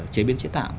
chế biến chế tạo